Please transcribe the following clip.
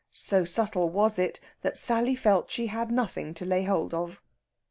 So subtle was it that Sally felt she had nothing to lay hold of.